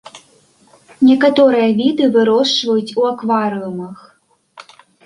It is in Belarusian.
Некаторыя віды вырошчваюць у акварыумах.